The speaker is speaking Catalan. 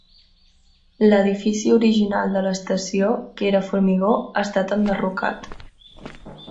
L'edifici original de l'estació, que era formigó, ha estat enderrocat.